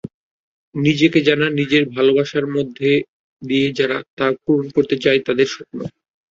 নিজেকে জানা, নিজেকে ভালোবাসার মধ্যে দিয়ে তারা পূরণ করতে চায় তাদের স্বপ্ন।